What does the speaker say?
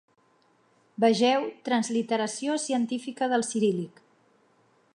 Vegeu Transliteració científica del ciríl·lic.